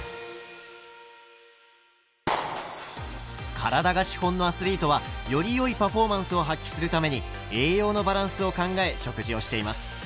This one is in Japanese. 体が資本のアスリートはよりよいパフォーマンスを発揮するために栄養のバランスを考え食事をしています。